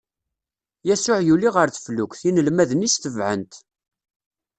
Yasuɛ yuli ɣer teflukt, inelmaden-is tebɛen-t.